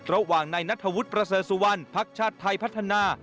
ระหว่างนายนัทธวุธประเสริษวรรณพักชาติไทยพัฒนา